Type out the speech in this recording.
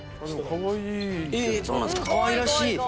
かわいらしい。